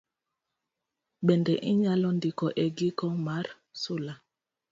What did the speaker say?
Bende inyalo ndiko e giko mar sula